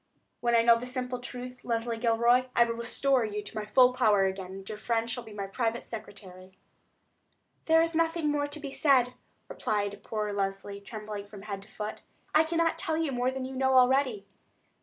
When I know the simple truth, Leslie Gilroy, I will restore you into my full favor again, and your friend shall be my private secretary." "Then there is nothing more to be said," replied poor Leslie, trembling from head to foot. "I cannot tell you more than you know already."